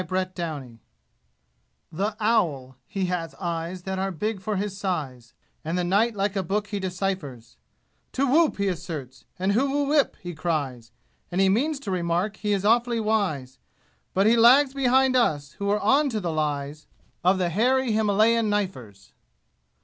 Chapter VII The owl he has eyes that are big for his size, And the night like a book he deciphers; "Too woop!" he asserts, and "Hoo woo ip!" he cries, And he means to remark he is awfully wise; But he lags behind us, who are "on" to the lies Of the hairy Himalayan knifers!